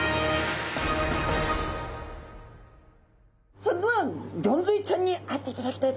それではギョンズイちゃんに会っていただきたいと思います。